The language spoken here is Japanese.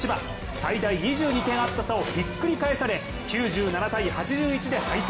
最大２２点あった差をひっくり返され９７対８１で敗戦。